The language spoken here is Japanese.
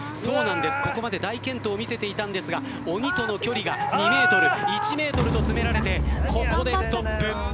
ここまで大健闘を見せていたんですが鬼との距離が２ｍ、１ｍと詰められてここでストップ。